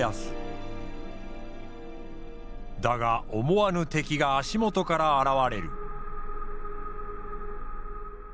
だが思わぬ敵が足元から現れる。